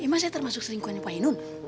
emang saya termasuk selingkuhannya puan ainun